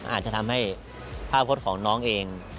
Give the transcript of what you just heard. อาจจะทำให้ภาพพจน์ของน้องเอง